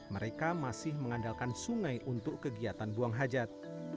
mereka masih mengandalkan sungai untuk kegiatan buang hajat